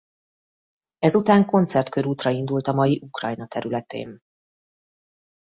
Ezután koncertkörútra indult a mai Ukrajna területén.